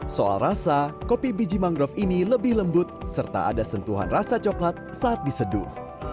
soal rasa kopi biji mangrove ini lebih lembut serta ada sentuhan rasa coklat saat diseduh